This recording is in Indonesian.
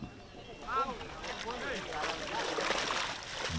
bagi mereka rasa saling percaya adalah kunci utama agar dapat tampil prima dalam pertunjukan ini